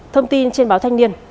thông tin trên báo thanh niên